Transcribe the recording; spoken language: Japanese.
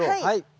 はい。